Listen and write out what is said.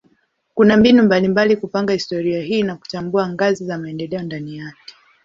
Kuna mbinu mbalimbali kupanga historia hii na kutambua ngazi za maendeleo ndani yake.